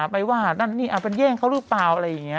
ไปว่านั่นนี่เป็นแย่งเขาหรือเปล่าอะไรอย่างนี้